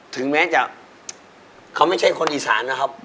ถึงแม้จะเขาไม่ใช่คนอีสานนะครับ